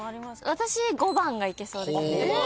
私５番がいけそうです。